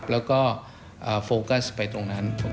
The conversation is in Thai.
แล้วก็โฟกัสไปตรงนั้น